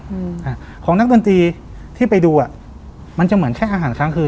อืมอ่าของนักดนตรีที่ไปดูอ่ะมันจะเหมือนแค่อาหารค้างคืน